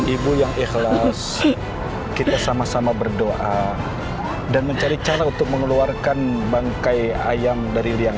ibu yang ikhlas kita sama sama berdoa dan mencari cara untuk mengeluarkan bangkai ayam dari liang